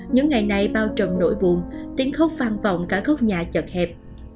những ngày nay bao trầm nỗi buồn tiếng khóc vang vọng cả khúc nhà chật hẹp